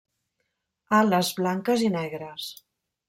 Ales blanques i negres.